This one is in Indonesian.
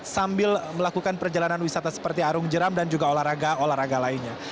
sambil melakukan perjalanan wisata seperti arung jeram dan juga olahraga olahraga lainnya